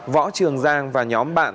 võ trường giang và nhóm bạn